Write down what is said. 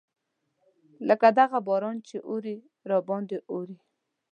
لکه دغه باران چې اوري راباندې اوري.